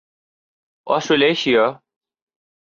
Australasia